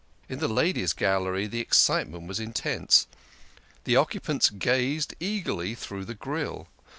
In the ladies' gallery the excitement was intense. The occupants gazed eagerly through the grille.